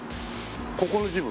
ここのジム？